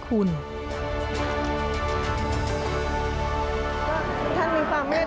อคุณภาพบุรุณาธิคุณ